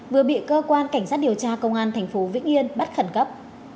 vừa bị cơ quan cảnh sát điều tra công an tp vĩnh yên bắt khẩn cấp